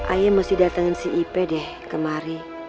ayah mesti datengin si ipe deh kemari